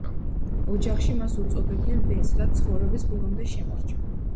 ოჯახში მას უწოდებდნენ ბესს, რაც ცხოვრების ბოლომდე შემორჩა.